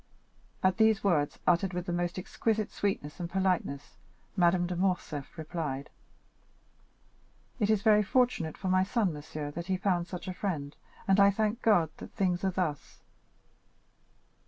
At these words, uttered with the most exquisite sweetness and politeness, Madame de Morcerf replied: "It is very fortunate for my son, monsieur, that he found such a friend, and I thank God that things are thus."